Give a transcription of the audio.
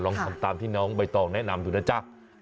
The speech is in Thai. ลองทำตามที่น้องใบตองแนะนำดูนะจ๊ะ